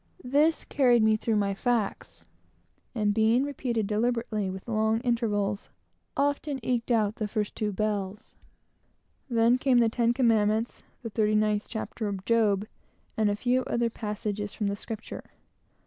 This carried me through my facts, and, being repeated deliberately, with long intervals, often eked out the two first bells. Then came the ten commandments; the thirty ninth chapter of Job, and a few other passages from Scripture.